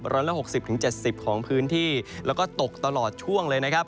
ร้อนละหกสิบถึงเจ็ดสิบของพื้นที่แล้วก็ตกตลอดช่วงเลยนะครับ